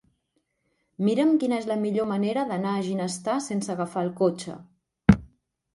Mira'm quina és la millor manera d'anar a Ginestar sense agafar el cotxe.